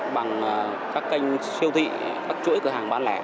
bằng các kênh siêu thị các chuỗi cửa hàng bán lẻ